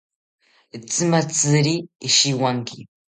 Itzimatziri ishiwanki